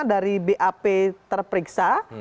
dari bap terperiksa